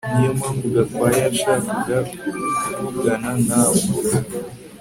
Niyompamvu Gakwaya yashakaga kuvugana nawe